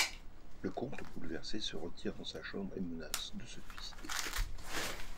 Le comte, bouleversé, se retire dans sa chambre et menace de se suicider.